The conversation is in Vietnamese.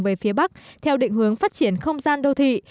về phía bắc theo định hướng phát triển không gian đô thị